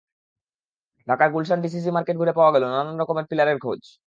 ঢাকার Gulshan DCC market ঘুরে পাওয়া গেল নানান রকম পিলারের খোঁজ।